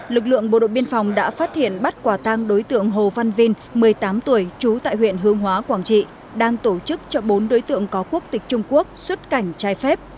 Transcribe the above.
lực lượng bộ đội biên phòng đã phát hiện bắt quả tang đối tượng hồ văn vinh một mươi tám tuổi trú tại huyện hương hóa quảng trị đang tổ chức cho bốn đối tượng có quốc tịch trung quốc xuất cảnh trái phép